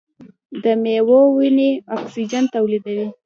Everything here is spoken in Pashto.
د میوو ونې اکسیجن تولیدوي.